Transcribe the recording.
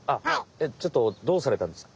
ちょっとどうされたんですか？